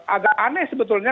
agak aneh sebetulnya